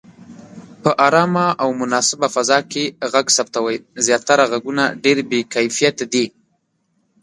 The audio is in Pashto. په آرامه او مناسبه فضا کې غږ ثبتوئ. زياتره غږونه ډېر بې کیفیته دي.